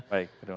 baik terima kasih